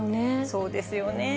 そうですよね。